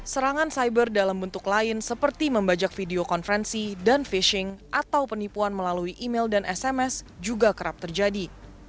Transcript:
serangan cyber dalam bentuk lain seperti membajak video konferensi dan fishing atau penipuan melalui email dan sms juga kerap terjadi